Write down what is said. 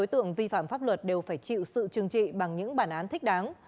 đối tượng vi phạm pháp luật đều phải chịu sự trừng trị bằng những bản án thích đáng